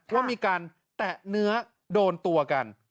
ว่ามีการแตะเนื้อโดนตัวกัน